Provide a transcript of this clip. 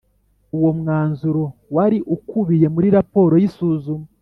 uwo mwanzuro wari ukubiye muri raporo y isuzuma